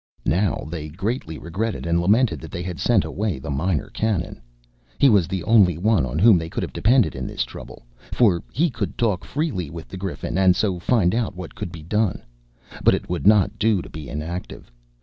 Now they greatly regretted and lamented that they had sent away the Minor Canon; he was the only one on whom they could have depended in this trouble, for he could talk freely with the Griffin, and so find out what could be done. But it would not do to be inactive.